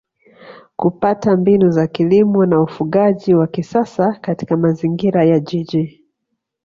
kupata mbinu za kilimo na ufugaji wa kisasa katika mazingira ya Jiji